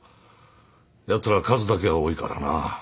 やつら数だけは多いからな。